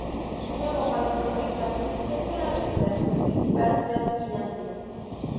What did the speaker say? En Europa los más habitual es que la ventilación principal sea aspirante.